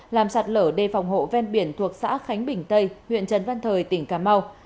làm sạt lở đê phòng hộ ven biển thuộc xã khánh bình tây huyện trần văn thời tỉnh cà mau